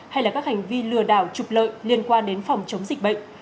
hay là các hành vi lừa đảo trục lợi liên quan đến phòng chống dịch bệnh